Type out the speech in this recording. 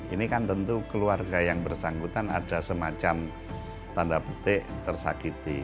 ini kan tentu keluarga yang bersangkutan ada semacam tanda petik tersakiti